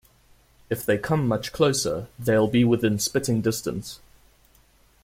If they come much closer, they'll be within spitting distance.